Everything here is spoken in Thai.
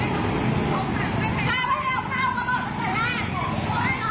อ้าวมันติดแล้วค่ะว่ามันจะเอาหวานเข้า